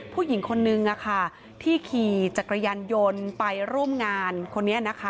ผู้หญิงคนนึงที่ขี่จักรยานยนต์ไปร่วมงานคนนี้นะคะ